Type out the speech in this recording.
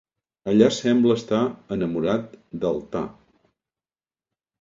Allà sembla estar enamorat d'Altar.